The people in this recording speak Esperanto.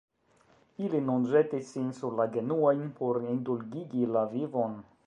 Ili nun ĵetis sin sur la genuojn por indulgigi la vivon.